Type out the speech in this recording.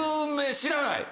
知らない？